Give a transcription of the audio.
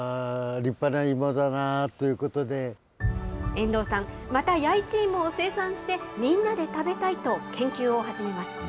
遠藤さん、また弥一芋を生産して、みんなで食べたいと研究を始めます。